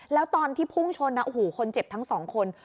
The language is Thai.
แล้วตอนที่พุ่งชนคนเจ็บทั้งสองคน